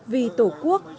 vì tổ quốc